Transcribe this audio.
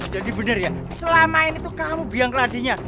jadi bener ya selama ini tuh kamu biang ke ladinya